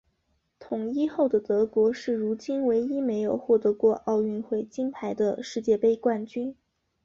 统一后的德国是如今唯一没有获得过奥运会金牌的世界杯冠军。